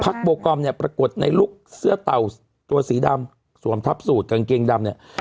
โบกอมเนี่ยปรากฏในลุคเสื้อเต่าตัวสีดำสวมทับสูตรกางเกงดำเนี่ย